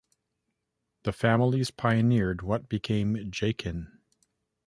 These families pioneered what became Jakin.